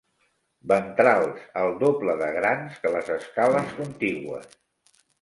Ventrals el doble de grans que les escales contigües.